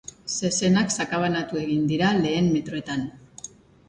Zezenak sakabanatu egin dira lehen metroetan.